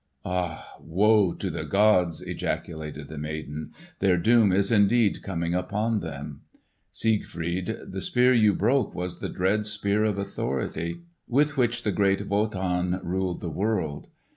"Ah, woe to the gods!" ejaculated the maiden. "Their doom is indeed coming upon them! Siegfried, the spear you broke was the dread Spear of Authority with which great Wotan ruled the world.